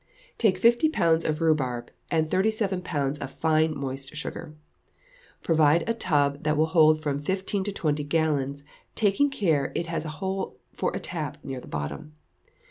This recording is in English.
Take fifty pounds of rhubarb and thirty seven pounds of fine moist sugar. Provide a tub that will hold from fifteen to twenty gallons, taking care that it has a hole for a tap near the bottom.